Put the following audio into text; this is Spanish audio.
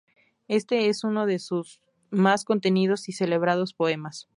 Este es uno de sus más contenidos y celebrados poemas.